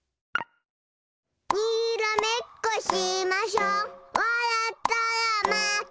にらめっこしましょわらったらまけよ。